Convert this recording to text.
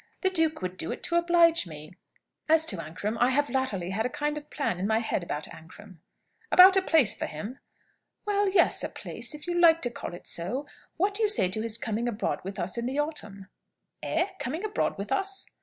The duke would do it to oblige me. As to Ancram, I have latterly had a kind of plan in my head about Ancram." "About a place for him?" "Well, yes; a place, if you like to call it so. What do you say to his coming abroad with us in the autumn?" "Eh! Coming abroad with us?"